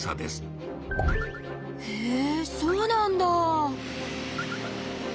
へぇそうなんだ！